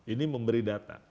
ini memberi data